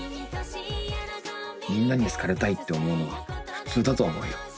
みんなに好かれたいって思うのは普通だと思うよ。